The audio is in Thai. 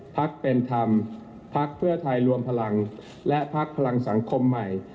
พักเป็นธรรมพักเพื่อไทยรวมพลังและพักพลังสังคมใหม่